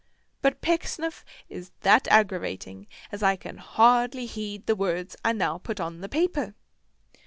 But Pecksniff is that aggravating as I can hardly heed the words I now put on the paper.